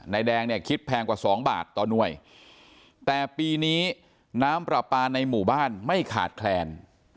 แดงเนี่ยคิดแพงกว่าสองบาทต่อหน่วยแต่ปีนี้น้ำปลาปลาในหมู่บ้านไม่ขาดแคลน